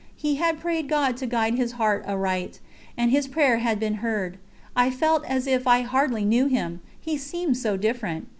He had prayed God to guide his heart aright, and his prayer had been heard. I felt as if I hardly knew him, he seemed so different.